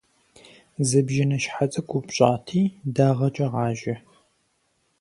Зы бжьыныщхьэ цӏыкӏу упщӏати дагъэкӏэ гъажьэ.